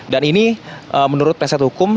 dan ini menurut penyelidikan hukum